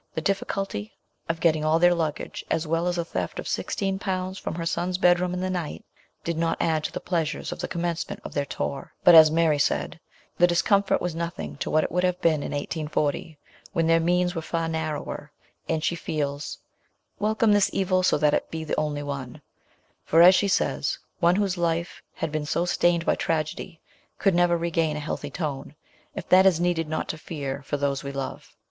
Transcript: The diffi culty of getting all their luggage, as well as a theft of sixteen pounds from her son's bedroom in the night, did not add to the pleasures of the commencement of their tour ; but, as Mary said, the discomfort was nothing to what it would have been in 1840, when their means were far narrower, and she feels, " Welcome this evil so that it be the only one," for, as she says, one whose life had been so stained by tragedy could never regain 222 MBS. SHELLEY. a healthy tone, if that is needed not to fear for those we love.